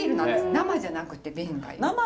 生じゃなくて瓶がいい？